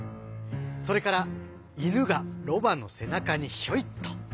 それからイヌがロバのせなかにひょいっと。